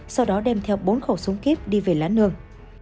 sau đó đem theo bốn khẩu súng kíp đi về lá nương